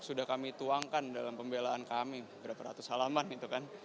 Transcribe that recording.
sudah kami tuangkan dalam pembelaan kami berapa ratus halaman itu kan